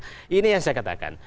nah ini yang saya katakan